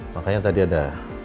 makanya tadi ada